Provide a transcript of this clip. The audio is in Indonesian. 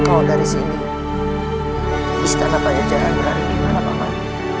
kau dari sini istana banyak jalan berani gimana paman